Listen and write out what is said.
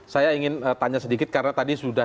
saya ingin tanya sedikit karena tadi sudah